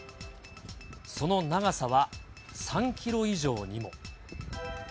その長さは３キロ以上にも。